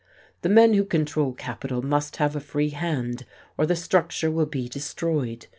The men who control capital must have a free hand, or the structure will be destroyed.